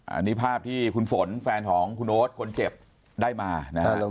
อันนี้ภาพที่คุณฝนแฟนของคุณโอ๊ตคนเจ็บได้มานะครับ